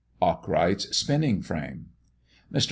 ARKWRIGHT'S SPINNING FRAME. Mr.